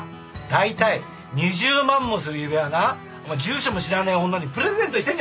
大体２０万もする指輪をなお前住所も知らねえ女にプレゼントしてんじゃないよ馬鹿！